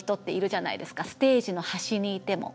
ステージの端にいても。